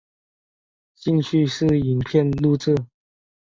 兴趣是影片录制。